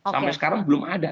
sampai sekarang belum ada